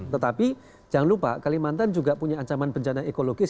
tetapi jangan lupa kalimantan juga punya ancaman bencana ekologis